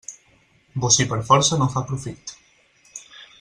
Bocí per força no fa profit.